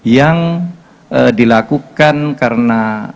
yang dilakukan karena